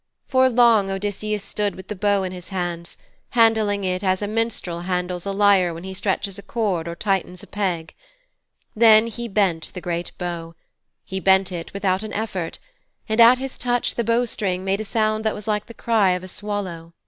For long Odysseus stood with the bow in his hands, handling it as a minstrel handles a lyre when he stretches a cord or tightens a peg. Then he bent the great bow; he bent it without an effort, and at his touch the bow string made a sound that was like the cry of a swallow.